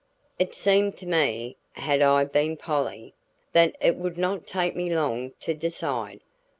It seemed to me, had I been Polly, that it would not take me long to decide.